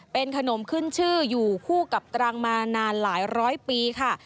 เป็นขนมขึ้นชื่ออยู่คู่กับตรังมานานหลายร้อยปีค่ะ